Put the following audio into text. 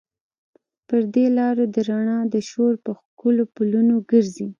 پر دې لارو د رڼا د شور، په ښکلو پلونو ګرزي